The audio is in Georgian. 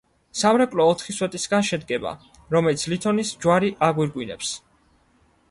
სამრეკლო ოთხი სვეტისაგან შედგება, რომელიც ლითონის ჯვარი აგვირგვინებს.